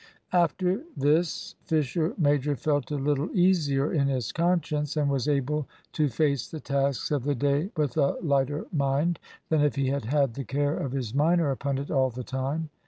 After this Fisher major felt a little easier in his conscience, and was able to face the tasks of the day with a lighter mind than if he had had the care of his minor upon it all the time.